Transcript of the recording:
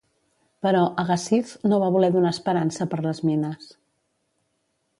Però Agassiz no va voler donar esperança per les mines.